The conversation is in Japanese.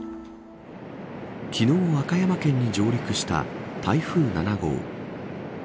昨日、和歌山県に上陸した台風７号。